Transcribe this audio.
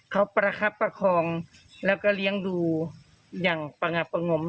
เขาประคับประคองแล้วก็เลี้ยงดูอย่างประงับประงม